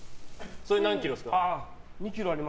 それ、何キロですか？